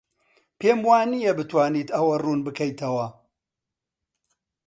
پێم وانییە بتوانیت ئەوە ڕوون بکەیتەوە.